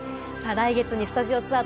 来月にスタジオツアー